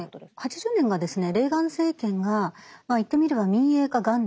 ８０年がですねレーガン政権が言ってみれば民営化元年と呼ばれてるんですね。